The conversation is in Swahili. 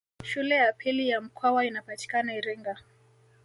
Shule ya pili ya Mkwawa inapatikana Iringa